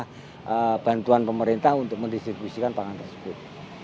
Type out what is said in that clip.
kita lakukan distribusi atau katakanlah bantuan pemerintah untuk mendistribusikan pangan tersebut